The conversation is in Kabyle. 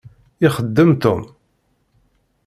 Ixeddem Tom.